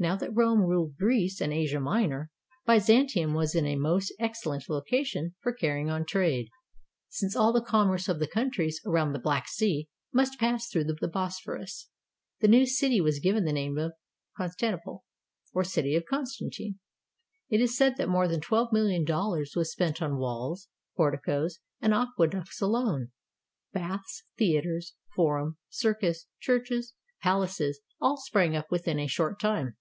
Now that Rome ruled Greece and Asia Minor, Byzantium was in a most excellent location for carrying on trade, since all the commerce of the countries around the Black Sea must pass through the Bosphorus. The new city was given the name of Constantinople, or city of Constantine. It is said that more than twelve million dollars was spent on walls, porticoes, and aqueducts alone. Baths, thea ters, forum, circus, churches, palaces, all sprang up within a short time.